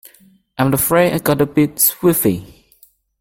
I’m afraid I got a bit squiffy.